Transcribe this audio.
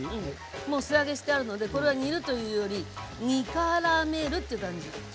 もう素揚げしてあるのでこれは煮るというより煮からめるって感じ。